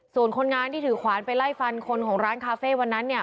ส่วนคนงานที่ถือขวานไปไล่ฟันคนของร้านคาเฟ่วันนั้นเนี่ย